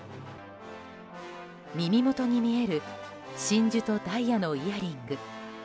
耳元に見える真珠とダイヤのイヤリング。